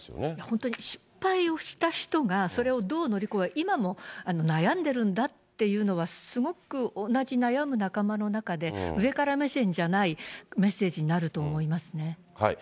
本当に失敗をした人が、それをどう乗り越え、今も悩んでるんだっていうのは、すごく同じ悩む仲間の中で、上から目線じゃないメッセージになると思いますね。